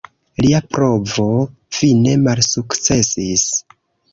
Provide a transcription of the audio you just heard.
Lia provo fine malsukcesis.